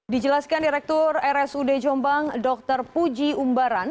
dijelaskan direktur rsud jombang dr puji umbaran